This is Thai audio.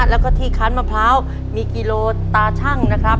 แล้วก็ที่ค้านมะพร้าวมีกิโลตาชั่งนะครับ